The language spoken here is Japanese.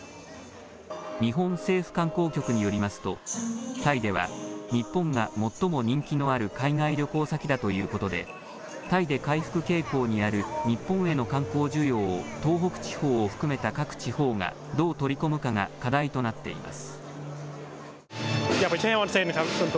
日本政府観光局によりますとタイでは日本が最も人気のある海外旅行先だということでタイで回復傾向にある日本への観光需要を東北地方を含めた各地方がどう取り込むかが課題となっています。